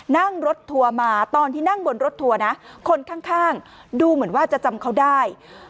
นั่งรถทัวร์มาตอนที่นั่งบนรถทัวร์นะคนข้างดูเหมือนว่าจะจำเขาได้